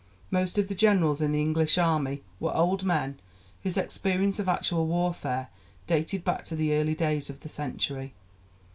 Most of the generals in the English army were old men whose experience of actual warfare dated back to the early days of the century.